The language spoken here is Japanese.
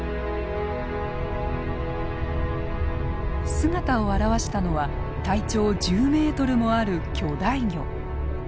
姿を現したのは体長１０ｍもある巨大魚。